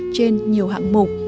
trên nhiều hạng mục